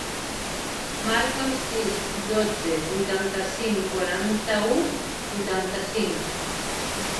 Marca el sis, dotze, vuitanta-cinc, quaranta-u, vuitanta-cinc.